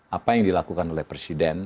apa yang dilakukan oleh presiden